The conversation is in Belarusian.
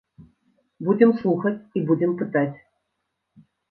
Будзем слухаць і будзем пытаць.